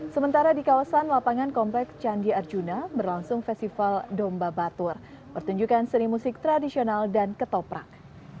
sementara di kawasan lapangan komplek candi arjuna berlangsung festival domba batur pertunjukan seni musik tradisional dan ketoprak